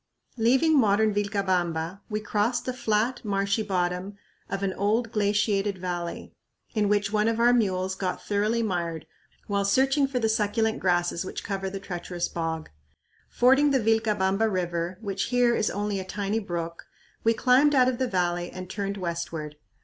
Leaving modern Vilcabamba, we crossed the flat, marshy bottom of an old glaciated valley, in which one of our mules got thoroughly mired while searching for the succulent grasses which cover the treacherous bog. Fording the Vilcabamba River, which here is only a tiny brook, we climbed out of the valley and turned westward.